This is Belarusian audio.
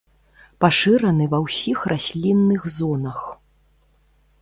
Пашыраны ва ўсіх раслінных зонах.